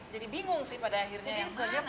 jadi bingung sih pada akhirnya yang mana ya